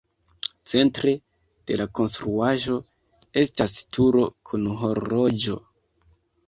Centre de la konstruaĵo estas turo kun horloĝo.